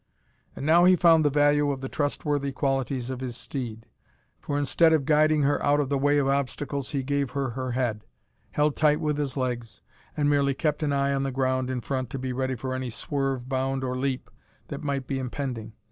And now he found the value of the trustworthy qualities of his steed, for, instead of guiding her out of the way of obstacles, he gave her her head, held tight with his legs, and merely kept an eye on the ground in front to be ready for any swerve, bound, or leap, that might be impending.